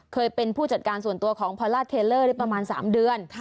เคยเป็นผู้จัดการส่วนตัวของพอล่าเทลเลอร์ได้ประมาณ๓เดือน